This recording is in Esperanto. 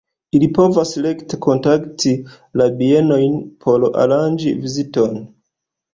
Ili povas rekte kontakti la bienojn por aranĝi viziton.